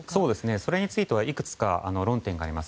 それについてはいくつか論点があります。